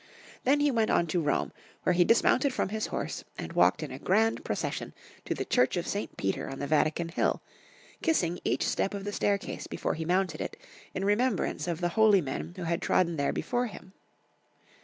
Then he went on to Rome, where he dismounted from his horse and walked in a grand procession to the Church of St. Peter on the Vatican hill, kissing each step of the staircase before he mounted it, in remembrance of the holy men who had trodden there before him.